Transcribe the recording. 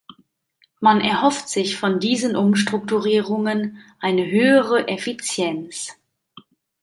Man erhofft sich von diesen Umstrukturierungen eine höhere Effizienz.